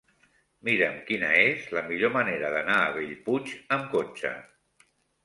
Mira'm quina és la millor manera d'anar a Bellpuig amb cotxe.